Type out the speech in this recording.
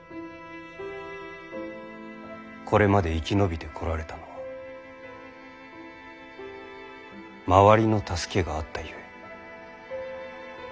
これまで生き延びてこられたのは周りの助けがあったゆえ。